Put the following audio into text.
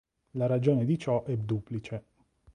La ragione di ciò è duplice.